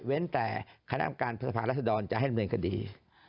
เว้นแต่คณะอำการพฤษภารัฐดรจะให้ดำเนินคดี